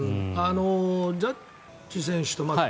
ジャッジ選手と。